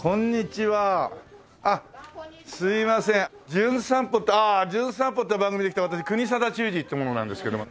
『じゅん散歩』ってああ『じゅん散歩』って番組で来た私国定忠治って者なんですけども。